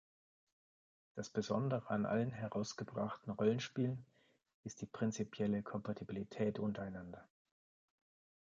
Das besondere an allen herausgebrachten Rollenspielen ist die prinzipielle Kompatibilität untereinander.